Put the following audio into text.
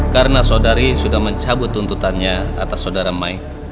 karena saudari sudah cabut tuntutannya atas saudara mike